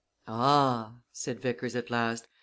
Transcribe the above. "Ah!" said Vickers at last.